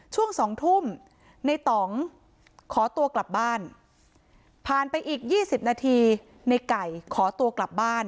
ช่วง๒ทุ่มในต่องขอตัวกลับบ้านผ่านไปอีก๒๐นาทีในไก่ขอตัวกลับบ้าน